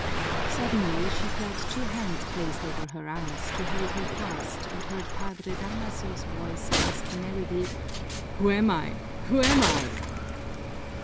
Suddenly she felt two hands placed over her eyes to hold her fast and heard Padre Damaso's voice ask merrily, "Who am I? Who am I?"